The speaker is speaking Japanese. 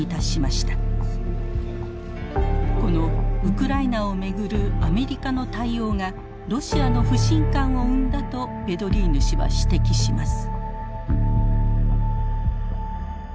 このウクライナを巡るアメリカの対応がロシアの不信感を生んだとヴェドリーヌ氏は指摘します。